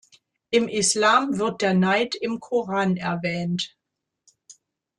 Im Islam wird der Neid im Koran erwähnt.